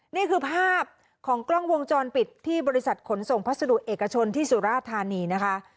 นี่คือภาพของกล้องวงจรปิดที่บริษัทขนส่งพัสดุเอกชนที่สุราธานีนะคะ